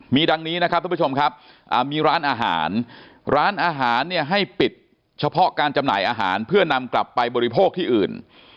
มีดังนี้นะครับทุกผู้ชมครับมีร้านอาหารร้านอาหารเนี่ยให้ปิดเฉพาะการจำหน่ายอาหารเพื่อนำกลับไปบริโภคที่อื่น